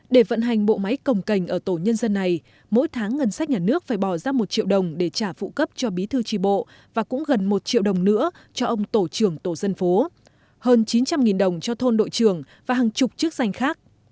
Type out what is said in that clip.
để vận hành bộ máy cồng cành ở tổ nhân dân này mỗi tháng ngân sách nhà nước phải bỏ ra một triệu đồng để trả phụ cấp cho bí thư tri bộ và cũng gần một triệu đồng nữa cho ông tổ trưởng tổ dân phố hơn chín trăm linh đồng cho thôn đội trường và hàng chục chức danh khác